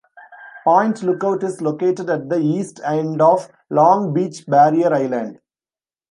Point Lookout is located at the east end of Long Beach Barrier Island.